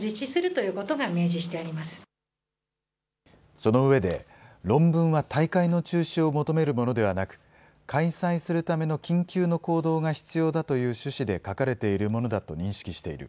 その上で、論文は大会の中止を求めるものではなく、開催するための緊急の行動が必要だという趣旨で書かれているものだと認識している。